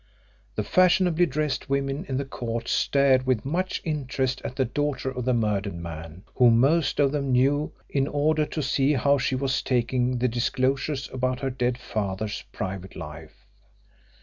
The fashionably dressed women in the court stared with much interest at the daughter of the murdered man, whom most of them knew, in order to see how she was taking the disclosures about her dead father's private life.